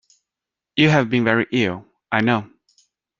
You have been very ill, I know.